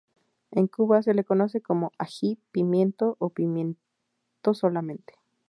En Cuba se le conoce como ají pimiento o pimiento solamente.